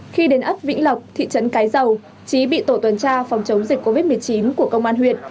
khi đến ấp vĩnh lộc thị trấn cái dầu trí bị tổ tuần tra phòng chống dịch covid một mươi chín của công an huyện